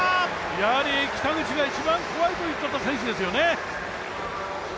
やはり北口が一番怖いと言っていた選手ですよね。